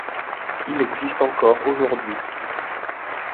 Il existe encore aujourd’hui.